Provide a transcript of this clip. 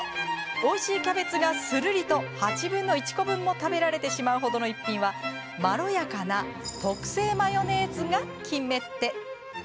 おいしいキャベツがするりと８分の１個分も食べられてしまう程の逸品はまろやかな特製マヨネーズが決め手。